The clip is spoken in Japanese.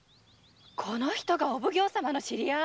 この人がお奉行様の知り合い？